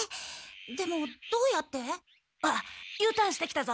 でもどうやって？あっＵターンしてきたぞ。